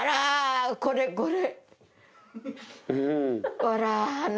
これこれ！